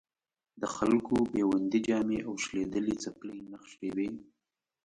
د خلکو بیوندي جامې او شلېدلې څپلۍ نښې وې.